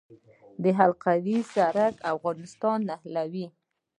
د حلقوي سړک افغانستان نښلوي